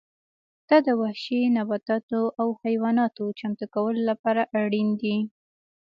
دا د وحشي نباتاتو او حیواناتو چمتو کولو لپاره اړین دي